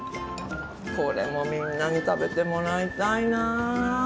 これもみんなに食べてもらいたいな。